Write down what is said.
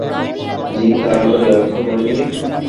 জিন তাড়াবার ব্যবস্থা করেন নি?